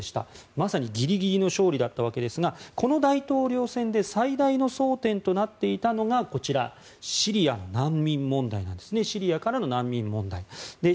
まさにギリギリの勝利だったわけですがこの大統領選で最大の争点となっていたのがシリアからの難民問題です。